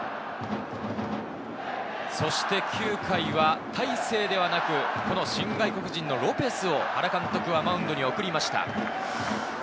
そして９回は大勢ではなく、新外国人のロペスを原監督がマウンドに送りました。